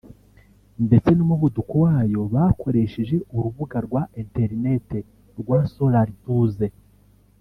ndetse n’umuvuduko wayo bakoresheje urubuga rwa interinete rwa solarimpulse